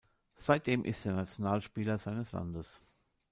Seitdem ist er Nationalspieler seines Landes.